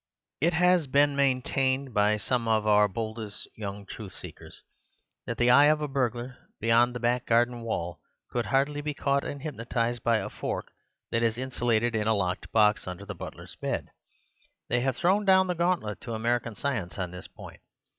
"It has been maintained by some of our boldest young truth seekers, that the eye of a burglar beyond the back garden wall could hardly be caught and hypnotized by a fork that is insulated in a locked box under the butler's bed. They have thrown down the gauntlet to American science on this point.